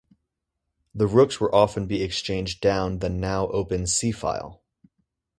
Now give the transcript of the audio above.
The rooks will often be exchanged down the now open c-file.